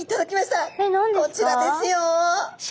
こちらですよ。